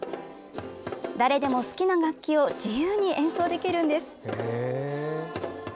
誰でも、好きな楽器を自由に演奏できるんです。